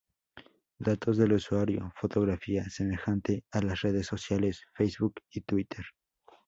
Datos del usuario, fotografía, semejante a las redes sociales Facebook y Twitter.